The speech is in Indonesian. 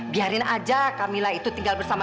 biarin aja camillah itu tinggal bersama